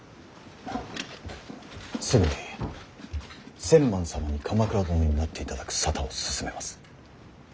すぐに千幡様に鎌倉殿になっていただく沙汰を進めます。